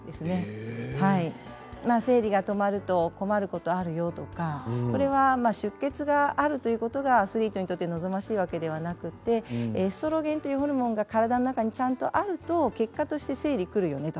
まあ生理が止まると困ることあるよとかこれは出血があるということがアスリートにとって望ましいわけではなくてエストロゲンというホルモンが体の中にちゃんとあると結果として生理くるよねと。